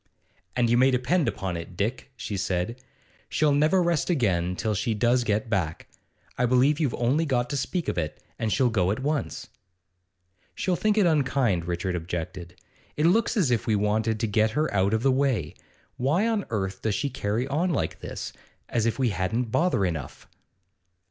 'And you may depend upon it, Dick,' she said, 'she'll never rest again till she does get back. I believe you've only got to speak of it, and she'll go at once.' 'She'll think it unkind,' Richard objected. 'It looks as if we wanted to get her out of the way. Why on earth does she carry on like this? As if we hadn't bother enough!